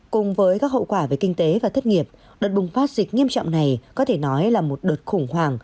cùng với các hậu quả về kinh tế và thất nghiệp đợt bùng phát dịch nghiêm trọng này có thể nói là một đợt khủng hoảng